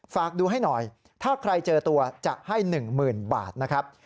ฝากดูให้หน่อยถ้าใครเจอตัวจะให้๑๐๐๐บาทนะครับ